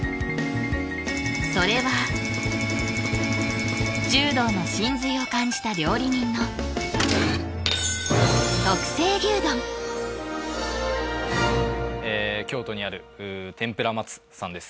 それは柔道の真髄を感じた料理人の京都にある天ぷら松さんです